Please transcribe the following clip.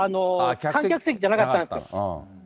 観客席じゃなかったんですよ。